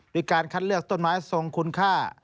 มีการคัดเลือกต้นไม้ทรงคุณค่า